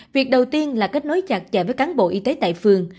việc đầu tiên là kết nối chặt chẽ với cán bộ y tế tại phường